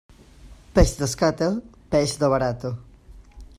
Peix d'escata, peix de barata.